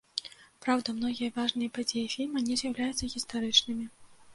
Праўда, многія важныя падзеі фільма не з'яўляюцца гістарычнымі.